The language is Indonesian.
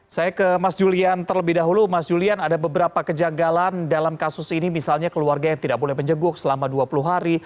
saya ke mas julian terlebih dahulu mas julian ada beberapa kejanggalan dalam kasus ini misalnya keluarga yang tidak boleh menjenguk selama dua puluh hari